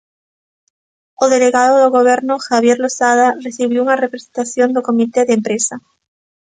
O delegado do Goberno, Javier Losada, recibiu unha representación do comité de empresa.